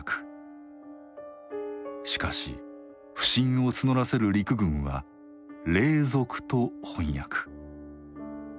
しかし不信を募らせる陸軍は「隷属」と翻訳。